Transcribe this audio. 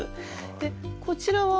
でこちらは？